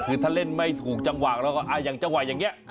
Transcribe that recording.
คือถ้าเล่นไม่ถูกจังหวะแล้วก็อย่างจังหวะอย่างนี้